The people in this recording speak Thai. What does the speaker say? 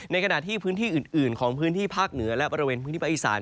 ขณะที่พื้นที่อื่นของพื้นที่ภาคเหนือและบริเวณพื้นที่ภาคอีสาน